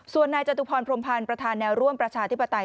ส่วนนายจตุพรพรมพันธ์ประธานแนวร่วมประชาธิปไตย